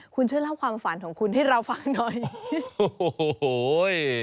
คุณช่วยเล่าความฝันของคุณให้เราฟังหน่อยโอ้โห